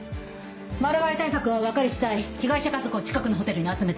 マル害対策は分かり次第被害者家族を近くのホテルに集めて。